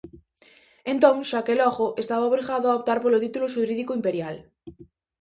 Entón, xa que logo, estaba obrigado a optar polo título xurídico imperial.